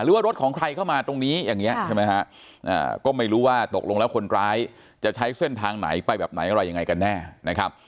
หรือว่ารถของใครเข้ามาตรงนี้อย่างนี้ใช่ไหมฮะก็ไม่รู้ว่าตกลงแล้วคนร้ายจะใช้เส้นทางไหนไปแบบไหนอะไรยังไงกันแน่นะครับ